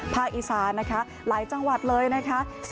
ภาคอีสาหลายจังหวัดเลยนะคะ